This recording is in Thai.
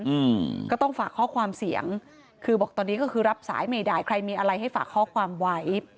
อืมก็ต้องฝากข้อความเสียงคือบอกตอนนี้ก็คือรับสายไม่ได้ใครมีอะไรให้ฝากข้อความไว้